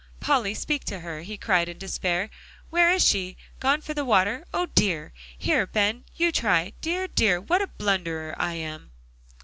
"Polly, speak to her," he cried in despair; "where is she? gone for the water? O dear! Here, Ben, you try. Dear, dear, what a blunderer I am."